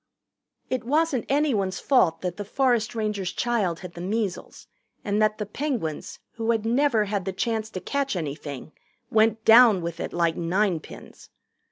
It wasn't anyone's fault that the forest ranger's child had the measles and that the Penguins who had never had the chance to catch anything went down with it like ninepins.